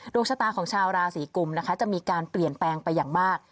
ดวงชะตาของชาวราศีกุมนะคะจะมีการเปลี่ยนแปลงไปอย่างมาก